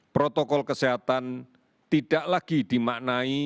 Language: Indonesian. protokol kesehatan tidak lagi dimaknai